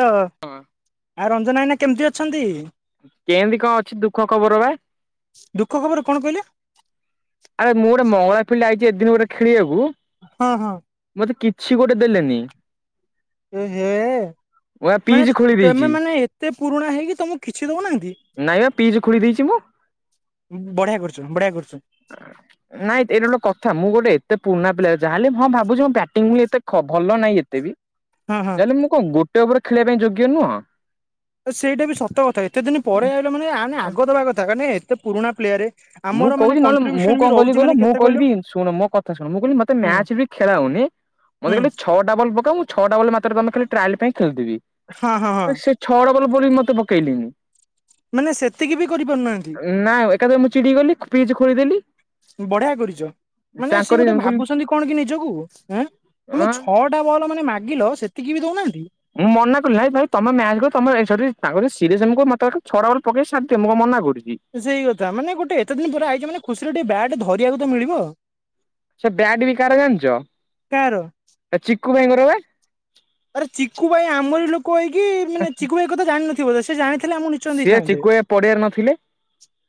Hello ଆ ରଞ୍ଜନ ଭାଇନା କେମିତି ଅଛନ୍ତି? କେମିତି କଣ ଅଛି ଦୁଃଖ ଖବର ବା। ଦୁଃଖ ଖବର କଣ କହିଲେ। ଆରେ ମୁଁ ଗୋଟେ [unintelligible] ପିଲା ଆଇଛି ଏ ଦିନ ଖେଳିବାକୁ ହଁ ହଁ। ମତେ କିଛି ଗୋଟେ ଦେଲେନି। ଏ ହେ ମୁଁ ମାନେ ପିଚ୍ ଖୋଳି ତେମେ ଦେଇଛି ମାନେ ଏତେ ପୁରୁଣା ହେଇକି ତମକୁ କିଛି ଦେଉନାହାନ୍ତି ନାଇଁ ବା ପିଚ୍ ଖୋଳି ଦେଇଛି ମୁଁ ବଢ଼ିଆ କରିଛ ବଢ଼ିଆ କରି ନାଇଁ ଏଇଟା ଗୋଟେ କଥା ମୁଁ ଗୋଟେ ଏତେ ପୁରୁଣା ପିଲା ଯାହାହେଲେ ହଁ ଭାବୁଛି ମୋ ବ୍ୟାଟିଂ ବୋଲି ଏତେ ଭଲ ନାହିଁ ଏତେ ବି ହଁ ହଁ ହେଲେ ମୁଁ କଣ ଗୋ [unintelligible] ଖେଳିବା ପାଇଁ ଯୋଗ୍ୟ ନୁହଁ? ସେଇଟା ବି ସତ କଥା ଏତେ ଦିନି ପରେ ଆଇଲ ମାନେ ଆଗଦବା କଥା [unintelligible] ଏତେ ପୁରୁଣା ପ୍ଲେୟାରେ। ମୁଁ କହୁଛିି ନହେଲେ ମୁଁ କଣ କହିଲି କହିଲ ମୁଁ କହିଲି ଶୁଣ ମୋ କଥା ଶୁଣ ମୁଁ କହିଲି ମତେ ହୁଁ ମ୍ୟାଚ୍ ବି ଖେଳାଅନି। ମତେ ହୁଁ କହିଲେ ଛଅଟା ବଲ୍ ପକାଅ ମୁଁ ଛଅଟା ବଲ୍ ମାତ୍ର [unintelligible] ଟ୍ରାଏଲ୍ ପାଇଁ ଖେଳୁଥିଲି ହଁ ହଁ ହଁ ସେ ଛଅଟା ବଲ୍ ବୋଲି ମତେ ପକେଇ [unintelligible] ମାନେ ସେତିକି ବି କରିପାରୁନାହାନ୍ତି ନାଁ ଏକାଥରେ ମୁଁ ଚିଡ଼ି ଗଲି ପିଚ୍ ଖୋଳିଦେଲି। ବଢ଼ିଆ କରିଛ। ମାନେ ସିଏ ତାଙ୍କରି ଗୋଟେ ଆଁ ଭାବୁଛନ୍ତି କଣ କି ନିଜକୁ ଆଁ ମୁଁ ଛଅଟା ବଲ୍ ମାନେ ମାଗିଲ ସେତିକି ବି ଦଉନାହାନ୍ତି। ମୁଁ ମନାକଲି ଭାଇ ଭାଇ ତମେ ମ୍ୟାଚ [unintelligible] ପକେଇ [unintelligible] ମନା କରିଛି। ସେଇ କଥା ମାନେ ଗୋଟେ ଏତେ ଦିନ୍ ପରେ ଆଇଚ ମାନେ ଖୁସିରେ ଟିକେ ବ୍ୟାଟ ଧରିବାକୁ ତ ମିଳିବ। ସେ ବ୍ୟାଟ୍ ବି କାହାର ଜାଣିଚ କାହାର ଚିକୁ ଭାଇଙ୍କର ବା। ଆରେ ଚିକୁୁ ଭାଇ ଆମରି ଲୋକ ହେଇକି ମାନେ ଚିକୁୁ ଭାଇ କଥା ଜାଣିିନଥିବ ସେ ଜାଣି ଥିଲେ ନିଶ୍ଚୟ ସିଏ ଦେଇଥାନ୍ତେ ଚିକୁ ଭାଇ ପଡିଆରେ ନଥିଲେ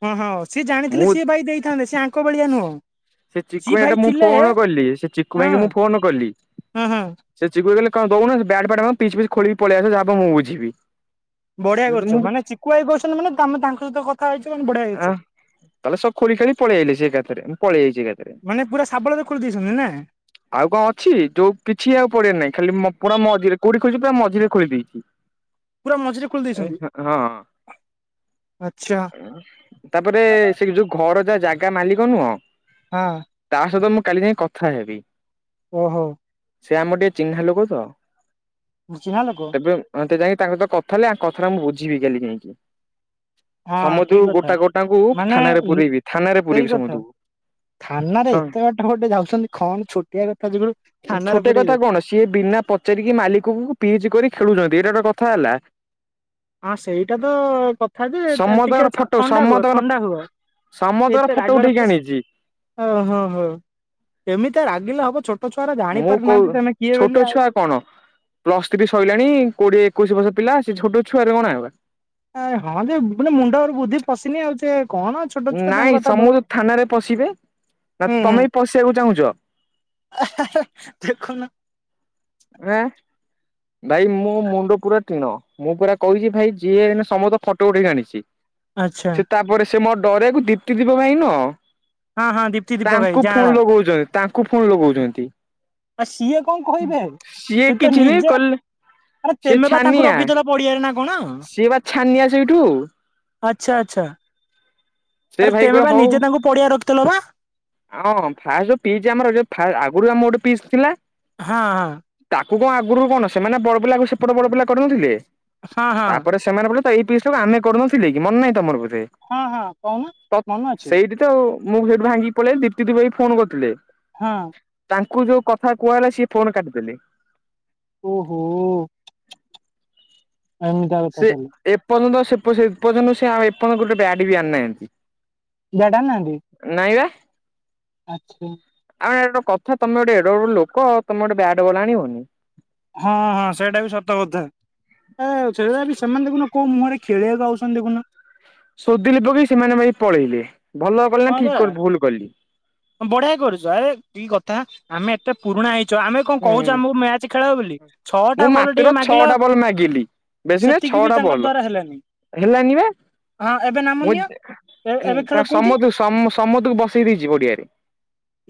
ହଁ ହଁ ସେ ଜାଣିଥିଲେ ମୁଁ ସେ ଭାଇ ଦେଇଥାନ୍ତେ। ତାଙ୍କ ଭଳିଆ ନୁହଁ। ସେ ଚିକୁୁ ସିଏ ଭାଇକି ଭାଇ ଟା ମୁଁ ଥିଲେ ଫୋନ କଲି ସେ ଚିକୁ ହଁ ଭାଇ କି ମୁଁ ଫୋନ କଲି ହଁ ହଁ ସେ ଚିକୁ ଭାଇ କହିଲେ କଣ ଦଉନ ବ୍ୟାଟ୍ [unintelligible] ପିଚ୍ ପିଚ୍ ଖୋଳିକି ପଳେଇ ଆସ ମୁଁ ବୁଝିବି। ବଢ଼ିଆ କରିଚୁ ମୁଁ ମାନେ ଚିୁକୁଭାଇ କହୁଛନ୍ତି ମାନେ ତମେ ତାଙ୍କ ସହିତ କଥା ହେଇଛ ବଢିଆ ହେଇଛ। ଆ ତାହେଲେ ସବୁ ଖୋଲି କାଳି ପଳେଇ ଆସିଲେ ଏକାଥରେ ପଳେଇ ଯାଇଛି ଏକାଥରେ। ମାନେ ପୁରା ଶାବଳରେ ଖୋଲି ଦେଇଛନ୍ତି ନା ଆଉ କଣ ଅଛି ଯୋଉ କିଛି ଆଉ ପଡିଆ ରେ ନାହିଁ ଖାଲି ମୁଁ ପୁରା ମଝିରେ କୋଉଠି ଖୋଲିଛି ପୁରା ମଝିରେ ଖୋଲି ଦେଇଛି। ପୁରା ମଝିରେ ଖୋଲି ଦେଇଛନ୍ତି [unintelligible] ହଁ। ଆଚ୍ଛା। ତାପରେ ସେ ଯୋଉ ଘର ଯାହା ଜାଗା ମାଲିକ ନୁହଁ ହଁ ତା ସହିତ ମୁଁ କାଲି ଯାଇଁ କଥା ହେବି। ଓହୋ। ସେ ଆମର ଟିକେ ଚିହ୍ନା ଲୋକ ତ ଚିହ୍ନା ଲୋକ ତେବେ ମତେ ଯାଇ ତାଙ୍କ ସହିତ କଥା ହେଲେ ଆଁ କଥାଟା ମୁଁ ବୁଝିବି କାଲି ଯାଇଁକି। ହଁ ଠିକ୍ କଥା। ତାଙ୍କୁ ମାନେ ଥାନାରେ ପୁରେଇବି ଥାନାରେ ସେଇ ପୁରେଇବି କଥା ସମସ୍ତଙ୍କୁ। ଥାନାରେ ଏତେ ବାଟ ଗୋଟେ ଯାଉଛନ୍ତି କଣ ଛୋଟିଆ କଥା ଯୋଗୁରୁ ଥାନାରେ ପୁରେଇବେ। ନା ପଚାରିକି ମାଲିକକୁ ପିଜି କରି ଖେଳୁଛନ୍ତି ଏଇଟା ଗୋଟେ କଥା ହେଲା। ହଁ ସେଇଟା ତ କଥା ଯେ ତେ ଟିକେ ସମସ୍ତଙ୍କର ଚା ଫଟୋ ଥଣ୍ଡା ହୁଅ ସମସ୍ତଙ୍କର ଥଣ୍ଡା ହୁଅ। ସମସ୍ତଙ୍କର ଏତେ ଫଟୋ ରାଗ ଉଠେଇକି ରଖିଲେ ଆଣିଛି ଓ ହୋ ହୋ ଏମିତି ଆଉ ରାଗିଲେ ହବ ଛୋଟ ଛୋ ମୁଁ କହୁ ଛୋଟ ଛୁଆ କଣ ପ୍ଲସଥ୍ରୀ ସଇଲାଣି କୋଡିଏ। ଏକୋଇଶି ବର୍ଷ ପିଲା ସେ ଛୋଟ ଛୁଆରେ ଗଣା ହେବେ। ଆରେ ହଁ ଯେ ବିଭିନ୍ନ ମୁଣ୍ଡରୁ ବୁଦ୍ଧି ପଶିନି ଆଉ ସେ କଣ ଛୋଟ ଛୁଆ ତାଙ୍କ ନାଇଁ କଥା ଧଉ ସମସ୍ତେ ଥାନାରେ ପଶିବେ। ନା ତମେ ବି ପଶିବାକୁ ଚାହୁଁଛ? ଆ ହେ ହେ ଦେଖୁ ନ। ଆଁ। ଭାଇ ମୋ ମୁଣ୍ଡ ପୁରା ଟିଣ ମୁଁ ପରା କହିଛି ଭାଇ ଯିଏ ଏଇନା ସମସ୍ତ ଫଟୋ ଉଠେଇକି ଆଣିଛି। ଆଚ୍ଛା। ସେ ତାପରେ ସେ ମୋ ଡରେଆକୁ ଦୀପ୍ତିଦୀପ ଭାଇ ନୁହଁ ହଁ ହଁ ଦୀପ୍ତି ଦୀପକ ଭାଇ ତାଙ୍କୁ ଫୋନ ଯାଆଁଳା ଲଗଉଛନ୍ତି। ତାଙ୍କୁ ଫୁଣ ଲଗଉଚନ୍ତି। ଆ ସିଏ କଣ କହିବେ ସିଏ ତ ନିଜେ କଲ। ଆରେ ସେ ତେମେ ବା ତାଙ୍କୁ ଛାନିଆ ରଖିଥିଲ ପଡିଆରେ ନା କଣ ସିଏ ବା ଛାନିଆ ସେଇଠୁ। ଆଚ୍ଛା ଆଚ୍ଛା। ସେ ଆରେ ଭାଇ ତେମେ କହିବ ବା ହଉ ନିଜେ ତାଙ୍କୁ ପଡିଆ ରଖିଥିଲ ବା ଆ ଅଁ ଫାର୍ଷ୍ଟ ଯୋଉ ପିଇଚି ଆମର ଯଉ ଫା ଆ ଗୁରୁଆ ମୋଟ ପିସ୍ ଥିଲା। ହଁ ହଁ। ତୁ କଣ ଆଗରୁ କଣ ସେମାନେ ବଡ ପିଲା କୁ ସେପଟ ବଡ ପିଲା କରିନଥିଲେ ହଁ ହଁ ହଁ। ତାପରେ ସେମାନେ ବୋଲେ। ଏଇ ପିସଟାକୁ ଆମେ କରୁନଥିଲେ କି ମନ ନାହିଁ ତମର ବ ହଁ ହଁ। କହୁନ ତ ମନେ ଅଛି ସେଇଠି ତ ଆଉ ମୁଁ ସେଇଠୁ ଭାଙ୍ଗିକି ପଳେଇଲି ଦିପ୍ତି ଦିପ ଭାଇ ଫୋନ କରିଥିଲେ। ହଁ। ତାଙ୍କୁ ଯୋଉ କଥା କୁହା ହେଲା ସିଏ ଫୋନ କାଟିଦେଲେ। ଓହୋ ଏମିତିଆ କଥା ତାହେଲେ। ସେପ ସେ ଏପର୍ଯ୍ୟନ୍ତ ସେ ଆଁ ଏପନ୍ତ କଉଠି ଗୁଟେ ବ୍ୟାଟ ଟେ ବି ଆଣନାହାନ୍ତି। ବ୍ୟାଟ ଆଣି ନାହାନ୍ତି। ଆଚ୍ଛା। ଆଁ ଏଇଟା କଥା ତମେ ଗୋଟେ ଏଡେ ବଡ ଲୋକ ତମେ ଗୋଟେ ବ୍ୟାଟ ବଲ ଆଣିବନି। ହଁ ହଁ ସେଇଟା ବି ସତକଥା ଆ ସେବି ସେମାନେ ଦେଖୁନ। କଉ ମୁହଁରେ ଖେଳିଆକୁ ଆଉଛନ୍ତି ଦେଖୁନ। ଶୋଦିଲି ପକେଇକି ସେମାନେ ଭାଇ ପଳେଇଲେ। ଭଲ କଲି ନା ହଁ ପରା ଠିକ ଭୁଲ କଲି ବଢିଆ କରୁଛୁ ଆରେ କି କଥା ଆମେ ଏତେ ପୁରୁଣା ହେଇ ଚ ଆମେ କଣ ହୁଁ କହୁଛୁ ଆମକୁ ମ୍ୟାଚ ଖେଳାଅ ବୋଲି ଛଅଟା ମୁଁ ବଲ୍ ମାତ୍ର ଟିକେ ମାଗିଲ। ଛଅଟା ବଲ୍ ମାଗିଲି ବେଶୀ ନାହିଁ ସେତିକି ବି ଛଅଟା ତାଙ୍କ ବଲ୍ ଦ୍ଵାରା ହେଲାନି। ହେଲାନି ବା ହଁ ଏବେ ନାମ ନିଅ ଏ-ଏବେ ଖେଳ କୋଉଠି। ସମ ସମସ୍ତକୁ ବସେଇ ଦେଇଚି ପଡିଆରେ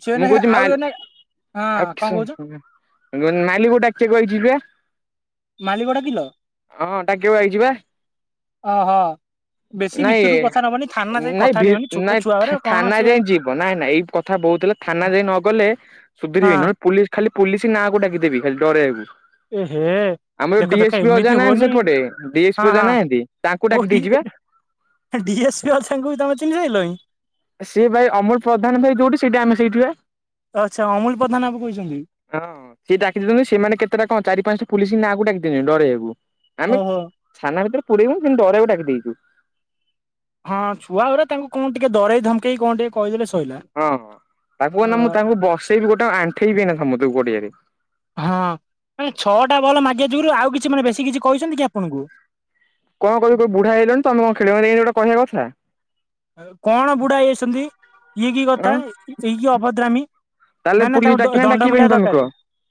ସେ ମୁଁ କହୁଛି ଆଉ ମାଲ ଏନେ ଆଉ ହଁ କଣ କିସ। କହୁଛ [unintelligible] ମାଲିକକୁ ଡାକିଆକୁ ଆଇଚି ପା। ମାଲିଗଡା କିଲୋ ହଁ ଡାକିଆକୁ ଆଇଚି ପା। ଓ ହୋ। ନାଇଁ ନାଇଁ କଥା ଭି ନିଅନି ଛୋଟ ନାଇଁ ଛୁଆ ଗୁରା ଥା କଣ ଥାନା ସିଏ ଯାଏଁ ଯିବ ନାଇଁ ନାଇଁ ଏଇ କଥା। ବହୁତ ହେଲେ ଥାନା ଯାଇ ନ ଗଲେ ସୁଧରିବି ହଁ ନହେଲେ ପୋଲି ଖାଲି ପୋଲିସ ନାଁକୁ ଡାକିଦବି ଖାଲି ଡରିବାକୁ। ଏ ହେ ଦେଖ ଦେଖ ଅଜା ଏମିତି ନାହାନ୍ତି ହୁଉନି ସେପଟେ ଡିଏସ୍ପି ହଁ ଅଜା ନାହାନ୍ତି ତାଙ୍କୁ ହଁ ଡାକି ଦେଇଛି ବା [unintelligible] ଡିଏସ୍ ପି ସାଙ୍ଗଙ୍କୁ ବି ତମେ ଚିହ୍ନି ସାଇଲଏଁ। ସେ ଭାଇ ଅମଲ ପ୍ରଧାନ ଭାଇ ଯୋଉଠି ସେଇଟା ଆମେ ସେଇଠିବା। ଆଚ୍ଛା ଅମୁଲ ପ୍ରଧାନ ବାବୁ କହିଛନ୍ତି ହଁ ସିଏ ଡାକି ଦିଅନ୍ତୁ ସେମାନେ କେତେଟା କଣ ଚାରି ପାଞ୍ଚଟା ପୋଲିସ ନାଁ ଡାକି ଦେବି ଡରେଇଆକୁ। ଆମେ ଓହୋ ଥାନା ଭିତରେ ପୁରେଇବୁନି, କିନ୍ତୁ ଡରେଇବାକୁ ଡାକି ଦେଇଛୁ। ହଁ ଛୁଆ ଘରେ ତାଙ୍କୁ କଣ ଟିକେ ଡରେଇ ଧମକେଇ କଣ ଟିକେ? କହିଦେଲେ ସଇଲା ହଁ ହଁ ତାଙ୍କୁ ଅ ମାନେ ମୁଁ ତାଙ୍କୁ ବସେଇବି, ଗୋଟେ ଆଣ୍ଠେଇବି ଏଇନା ସମସ୍ତଙ୍କୁ ଗଡିଆରେ ହଁ ମାନେ ଛଅଟା ବଲ୍ ମାଗିଆ ଯୁଗୁରୁ, ଆଉ କିଛି ମାନେ ବେଶୀ କିଛି କହିଛନ୍ତି କି ଆପଣଙ୍କୁ? କଣ କହୁଛ ତମେ ବୁଢା ହେଇଗଲଣି, ତମେ କଣ ଖେଳିବ ଏ ଗୋଟେ କହିବା କଥା କଣ ବୁଢା ଆଁ ହେଇଯାଇଛନ୍ତି? ତାହେଲେ ପୁଲିସ୍ ଡାକିବି ନା ଡାକିବିନି ତମେ କୁହ?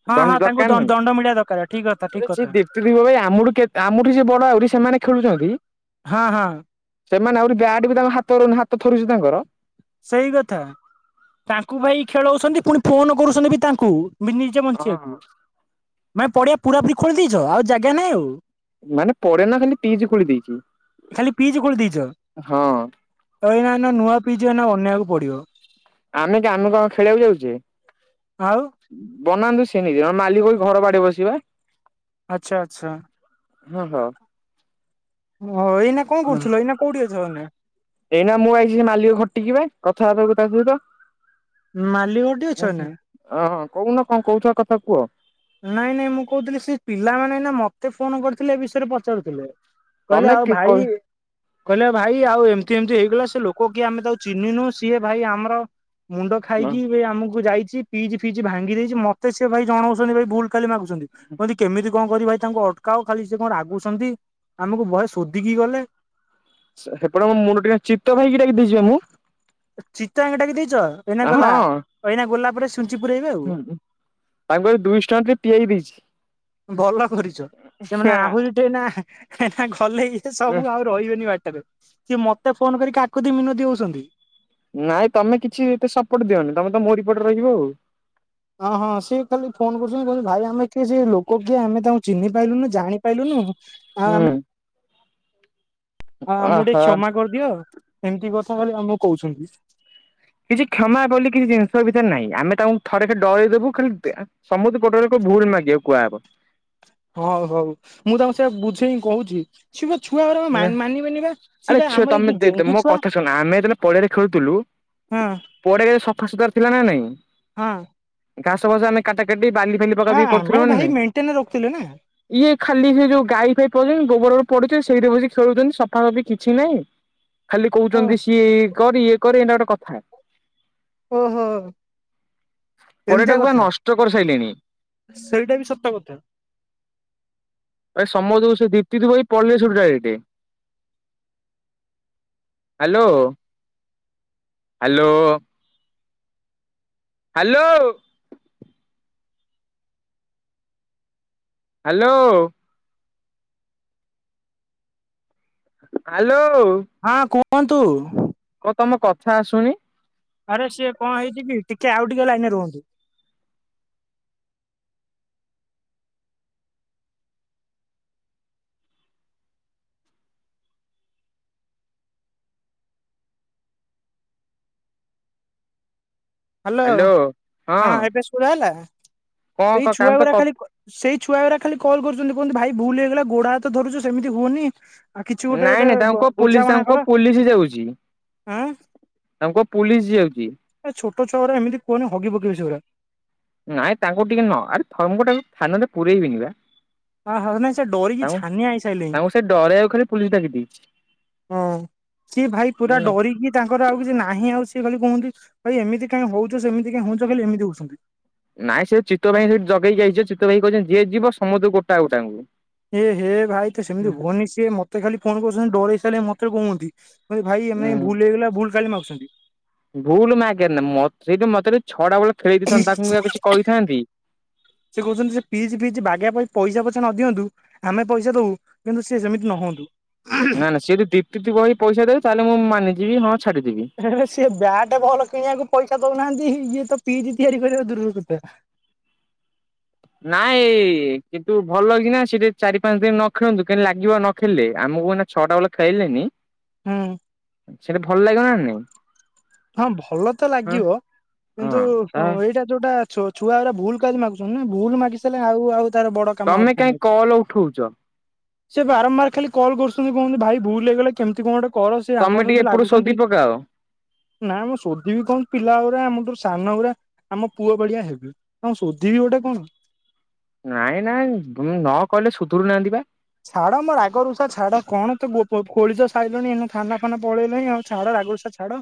ହଁ ହଁ ଦଣ୍ଡ ତାଙ୍କୁ ଦରକାର ଦ ନା, ଦଣ୍ଡ ମିଳିବା ଦରକାର ଠିକ କଥା ଠିକ କଥା ସିଏ ଦେଖିଥିବ ଭାଇ ଆମଠ ଆମଠ ଯିଏ ବଡ, ଆହୁରି ସେମାନେ ସେମାନେ ଖେଳୁଛନ୍ତି। ହଁ- ହଁ। ସେମାନେ ଆହୁରି ବ୍ୟାଟ୍ ବି ତାଙ୍କ ହାତ ହାତ ଥରୁଛି ତାଙ୍କର। ସେଇ କଥା ତାଙ୍କୁ ଭାଇ ଖେଳଉଛନ୍ତି, ପୁଣି ଫୋନ କରୁଛନ୍ତି ବି ତାଙ୍କୁ ନିଜେ ବଞ୍ଚିବାକୁ ନା ପଡିଆ ପୁରା ପୁରି ଖୋଲି ଦେଇଛ। ଆଉ ଜାଗା ନାଇଁ ଆଉ ମାନେ ପେ ନା ଖାଲି ପିଜ ଖୋଲି ଦେଇଛି ଖାଲି ପିଜ ଖୋଳି ଦେଇଛ ହଁ ତ ଏଇନା ଏଇନା ନୂଆ ପିଜ ଏଇନା। ବନେଇବାକୁ ପଡିବ ଆମେ କି ଆମେ କଣ ଖେଳିଆକୁ ଯାଉଛେ। ଆଉ। ବନାନ୍ତୁ ସେନି ଦ ମାଲିକ ଘର ବାଡେ ବସିବା ଆଛା ଆଚ୍ଛା। ହୁଁ ହ। ଓଃ ଏଇନା କଣ କରୁଥିଲ ଏଇନା କୋଉଠି ଅଛ ଏଇନା। ଏଇନା ମୁଁ ଆଇଛି ସେ ମାଲିକ ଘଟିକି ବା କଥାହବାକୁ ତା ସହିତ। ମାଲି ଗ ଅଛ ଓହୋ। ନା? ଓହଁ କହୁନ କଣ କହୁଛ କଥା କୁହ। ନାଇଁ ନାଇଁ ମୁଁ କହୁଥିଲି ସେ ପିଲାମାନେ ଏଇନା ମତେ ଫୋନ କରିଥିଲେ ଏ ବିଷୟରେ ପଚାରୁଥିଲେ। କହିଲେ ତମେ ଆଉ କି କହି ଭାଇ। କହିଲେ ଭାଇ ଆଉ ଏମିତି ଏମିତି ହେଇଗଲା ସେ ଲୋକ କିଏ ଆମେ ତାକୁ ଚିହ୍ନି ନୁ ସିଏ ଭାଇ ଆମର। ମୁଣ୍ଡ ଖାଇକି ଏ ଆମକୁ ଯାଇଛି ପିଜି ଫିଜି ଭାଙ୍ଗି ଦେଇଛି ମତେ ସି ଭାଇ ଜଣଉଛନ୍ତି ଭାଇ ଭୁଲ ଖାଲି ମାଗୁ କୁଅନ୍ତି କେମିତି। କଣ କରିବ ଭାଇ ତାଙ୍କୁ ଅଟକାଅ ଖାଲି ସେ କଁ ରାଗୁଛନ୍ତି ଆମକୁ ବହେ ଶୋଧିକି ଗଲେ। ସେ ସେପଟେ ମୋ ମୁଣ୍ଡ ଟିକେ ଚିତ୍ତ ଭାଇକି ଡାକି ଦେଇଚି ବା ମୁଁ। ଚତା ଆଙ୍ଗ ଟାକି ଦେଇଛ ଏଇନା ଗଲା ହଁ ଏଇନା ଗଲା ପରେ ସୁଞ୍ଚି ପୁରାଇବେ ଆଉ। ତାଙ୍କୁ ବୋଧେ ଦୁଇଶ ଟଙ୍କରେ ଟିକେ ପିଆଇ ଦେଇଛି। ଭଲ କରିଛ ସେମାନେ ଆହୁରି ଟି ଏନା। ଗଲେ ଇଏ ସବୁ ଆଉ ରହିବେନି ବା। ସିଏ ମତେ ଫୋନ କରିକି କାକୁଦ ମିନୋତି ହଉଛନ୍ତି। ନାଇଁ ତମେ କିଛି ଏତେ ସପୋର୍ଟ ଦିଅନି ତମେ ତ ମୋ ରି ପଟେ ରହିବ ଆଉ। ଅଁ ହଁ ସିଏ କାଲି ଫୋନ କରୁଛନ୍ତି କହୁଛନ୍ତି ଭାଇ ଆମେ କିଏ ସେ ଲୋ କ କିଏ ଆମେ ତାଙ୍କୁ ଚିହ୍ନି ପାଇଲୁନୁ ଜାଣି ପାଇଲୁନୁ ଆଉ ଆମେ। ହ ଆମକୁ ଟିକେ ଓହୋ କ୍ଷମା କରିଦିଅ ଏମିତି କଥା ବୋଲି ଆମକୁ କହୁଛନ୍ତି। କିଛି କ୍ଷମା ବୋଲି କିଛି ଜିନିଷ ଭିତରେ ନାହିଁ ଆମେ ତାଙ୍କୁ ଥରେ ରେ ଡାଇଦବୁ ଖାଲି ସମସ୍ତେ ପୋଟରେ ଭୁଲ ମାଗିବାକୁ କୁହାହବ।। ହଉ ହଉ ମୁଁ ତାଙ୍କୁ ସେ ବୁଝେଇି କହୁଛିିବ ନା ଆରେ ଛୁଅ ଆମର ଏଇ ତମେ ଯୋଉ ତେ ତେ ଜେଞ୍ଜି ମୋ ଛୁଆ କଥା ଶୁଣ ଆମେ ଯେତେବେନେ ପଡିଆରେ ଖେଳୁଥିଲୁ। ହଁ ପଡ଼ିଆ କେ ସଫା ସୁତୁର ଥିଲା ନା ନାଇଁ। ହଁ। ଘାସ ଫାଶ ଆମେ କାଟା କାଟି। ବି ବାଲି ଫାଲି ପକା ଆ ପକି ବି ଆମେ କରିୁଥିଲୁ ନା ଭାଇ ନାଇ ମେଣ୍ଟେନ ରଖୁଥିଲେ ନା ଇଏ ଖାଲି ସେ ଯୋଉ ଗାଈ ଫାଇ ପଉଛନ୍ତି। ଗୋବରରୁ ପଡୁଛି ସେଇଠି ବସ ଖେଳୁଛନ୍ତି ସଫାସଫି କିଛି ନାହିଁ। ଖାଲି ଓ କହୁଛନ୍ତି ସିଏ ଇଏ କରିରେ ଇଏ କରିରେ ଏଇଟା ଗୋଟେ କଥା ଓ ହୋ। ଏମିତିଆ ପଡିଆଟାକୁ ବା କଥା, ନଷ୍ଟ କରିସାରିଲେଣି। ସେଇଟା ବି ସତ କଥା। ଆରେ ସମସ୍ତଙ୍କୁ, ସେ ଦୀପ୍ତି ଦି ବହି ପଢିଲେ direct. Hello, hello. Hello. Hello. Hello. ହଁ, କୁହନ୍ତୁ। କ ତମ କଥା ଆସୁନି। ଆରେ ସିଏ କଣ ହେଇଛି କି, ଟିକେ ଆଉ ଟିକେ ଲାଇନ ରୁହନ୍ତୁ। ହ୍ୟାଲୋ, ହଁ, ଏବେ ସୁଭା ହେଲା। କଣ କ ସେଇ କାହା ଛୁଆ ସହିତ ଗୁଡା କ ଖାଲି, ସେଇ ଛୁଆ ଗୁଡା ଖାଲି କଲ୍ କରୁଛନ୍ତି। କୁହୁଛନ୍ତି ଭାଇ ଭୁଲ ହେଇଗଲା ଗୋଡା ହାତ ଧରୁଛୁ ସେମିତି ହୁଅନି। ଆଉ କିଛି ଗୋଟେ ଗୋଟେ ନାଇଁ ନାଇଁ ତାଙ୍କୁ କହ, ପୋଲିସ ବୁଝାମଣା ତାଙ୍କୁ କର ପୋଲିସ ଯାଉଛି। ଆଁ ତାଙ୍କ କ ପୋଲିସ ଯାଉଛି। ଏ ଛୋଟ ଛୁଆ ଗୁଡା ଏମିତି କୁହନି, ହଗି ପକେଇବେ ସେଇଗୁଡା। ନାଇ ତାଙ୍କୁ ଟିକେ ନ ଆରେ [unintelligible] ଥାନରେ ପୁରରେଇ ବିନି ବା। ହ ହ ନାଇଁ ସେ ଡରିକି ତାଙ୍କୁ ଛାନିଆ ହେଇ ସାଇଲେନି। ତାଙ୍କୁ ସେ ଡରେଇବାକୁ ଖାଲି ପୁଲିସ ଡାକି ଦେଇଛି। ହଁ ସିଏ ଭାଇ ପୁରା ହୁଁ ଡରିକି ତାଙ୍କର ଆଉ କିଛି ନାହିଁ। ଆଉ ଖାଲି କୁହନ୍ତି, ଭାଇ ଏମିତି କାଇଁ ହଉଛ, ସେମିତି କାଇଁ ହଉଛ, ଖାଲି ଏମିତି ହଉଛନ୍ତି। ନାଇଁ ସେ ଚିତ୍ତ ଭାଇ ସେଠି ଜଗେଇକି ଆଇଚି। ଚିତତ ଭାଇ କହିଛନ୍ତି, ଯିଏ ଯିବ ସମସ୍ତ ଙ୍କୁ ଗୋଟା ଗୋଟା ଙ୍କୁ ଏ ହେ ଭାଇ ତୁ ସେମିତି ହୁଅନି, ସିଏ ମତେ ଖାଲି ଫୋନ କରୁଛନ୍ତି। ଡରେଇ ସାରିଲେ ମତେ କହୁଛନ୍ତି। ଭାଇ ଏମ ଉଁ ଭଲ ହେଇଗଲା ଭୁଲ କାଲି ମାଗୁଛନ୍ତି। ଭୁଲ ମାଗେ ନା, ମତେ ସେଜଉ ଛଡା ବେଳେ ଖେଳେଇ ସେ ଦେଇଥାନ୍ତେ ତାକୁ ମୁଁ ଆଉ କିଛି କହୁଛନ୍ତି, କହିଥାନ୍ତି। ସେ ପିଜ, ଫିଜ ବାଗେଇିବା ପାଇଁ ପଇସା ପଚେ ନ ଦିଅନ୍ତୁ। ଆମେ ପଇସା ଦବୁ। କିନ୍ତୁ ସେ ସେମିତି ନ ହୁଅନ୍ତୁ। ନା, ନା ସିଏ ଯଦି ଡି ଟି ଟି ବହି ପଇସା ଦେବେ, ତାହେଲେ ମୁଁ ମାନିଯିବି ହଁ ଛାଡିଦେବି। ଆରେ ସେ ବ୍ୟାଟେ ବଲ କିଣିବାକୁ ପଇସା ଦଉନାହାନ୍ତି ଇଏ ତ ପିଚ୍ ତିଆରି କରିବା ଦୂରର କଥା। ନାଇଁ, କିନ୍ତୁ ଭଲ କିନା ସେଠି ଚାରି ପାଞ୍ଚ ଦିନ ନ ଖେଳନ୍ତୁ। କେମତି ଲାଗିବ ନ ଖେଳିଲେ। ଆମକୁ ମାନେ ଛଅଟା ବେଳେ ଖେଳେଇ ଲେନି। ହୁଁ ସେଠା ଭଲ ଲାଗିବ ନା ନାଇଁ। ହଁ ଭଲ ତ ହଁ ଲାଗିବ କିନ୍ତୁ, ହଁ ତା ଏଇଟା ଯୋଉଟା ଛୁ ଛୁଆ ଗୁଡା ଭୁଲ କାହିଁକି ମାଗୁଛନ୍ତି ନା। ଭଲ ମାଗି ସାରିଲେ ଆଉ ଆଉ ତାର ବଡ କାମ ଆଉ ତମେ କଣ କାହିଁ ଅଛି। କଲ ଉଠଉଛ ସେ ବାରମ୍ବାର ଖାଲି କଲ୍ କରୁଛନ୍ତି। କହନ୍ତି ଭାଇ ଭୁଲ ହେଇଗଲା କେମିତି କଣ କର ସେ ଆମ ତମେ ସହିତ ଟିକେ ଏପଟୁ ଲାଗୁଛନ୍ତି। ଶୋଧି ପକାଅ। ନା ମୁଁ ସୋଧିବି କଣ ପିଲା ଗୁରା, ଆମଠୁ ସାନ ଗୁରା ଆମ ପୁଅ ବଡିଆ ହେବେ। ଆଉ ସୋଧିବି ଗୋଟେ କଣ। ନାଇଁ ନାଇଁ ନ କହିଲେ ସୁଧୁରୁ ନାହାଁନ୍ତି ବା। ଛାଡ ମୋ ରାଗରୁଷା ଛାଡ କଣ ତୁ ଖୋଳିଚ ସାଇିଲୁଣି ଏ ଥାନା ଫାନା ପଳେଇଲେଣି ଆଉ ଛାଡ। ରାଗରୁଷ ଛାଡ।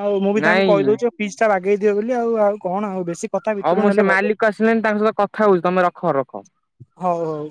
ଆଉ ମୁଁ ବି ତାଙ୍କୁ ନାଇଁ କହିଦଉଛି ଫିଜ ଟା ବାଗେଇଦିଅ ବୋଲି ଆଉ। ଆଉ କଣ ଆଉ ବେଶୀ କଥା ହଁ ଭିତରୁ ମୁଁ ନେଲେ ସେ ହବ ମାଲିକ ଆସିଲେଣିି ତାଙ୍କ ସହିତ କଥା ହଉଛି। ତମେ ରଖ ରଖ। ହଉ ହଉ।